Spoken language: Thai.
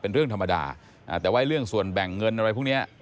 เป็นเรื่องธรรมดาแต่ว่าเรื่องส่วนแบ่งเงินอะไรพวกนี้